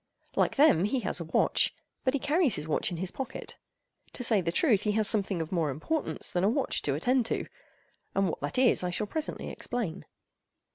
Like them, he has a watch, but he carries his watch in his pocket. To say the truth, he has something of more importance than a watch to attend to—and what that is, I shall presently explain.